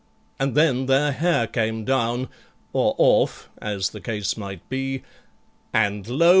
And then their hair came down, or off, as the case might be, And lo!